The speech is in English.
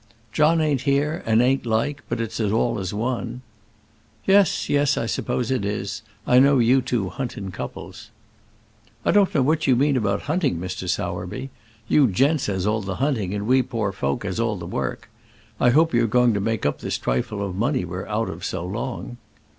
"John ain't here, and ain't like; but it's all as one." "Yes, yes; I suppose it is. I know you two hunt in couples." "I don't know what you mean about hunting, Mr. Sowerby. You gents 'as all the hunting, and we poor folk 'as all the work. I hope you're going to make up this trifle of money we're out of so long."